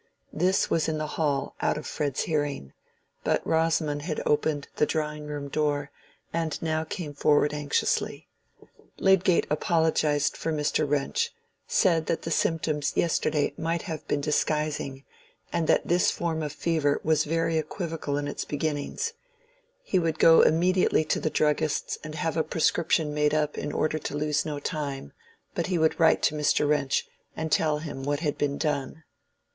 This was in the hall out of Fred's hearing, but Rosamond had opened the drawing room door, and now came forward anxiously. Lydgate apologized for Mr. Wrench, said that the symptoms yesterday might have been disguising, and that this form of fever was very equivocal in its beginnings: he would go immediately to the druggist's and have a prescription made up in order to lose no time, but he would write to Mr. Wrench and tell him what had been done.